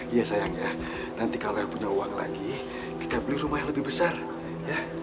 iya sayang ya nanti kalau yang punya uang lagi kita beli rumah yang lebih besar ya